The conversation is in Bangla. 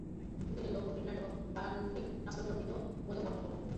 পুতিনের লক্ষ্য ফিনল্যান্ড এবং বাল্টিক রাষ্ট্রগুলোর দিকে বলেও মন্তব্য করেন তিনি।